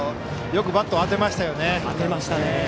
よくバット、当てましたよね。